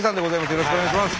よろしくお願いします。